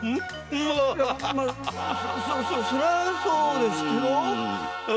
ままあそりゃあそうですけど。